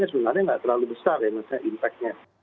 tapi sebenarnya nggak terlalu besar ya maksudnya impact nya